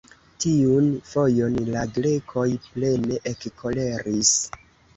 Tiun fojon, la Grekoj plene ekkoleris.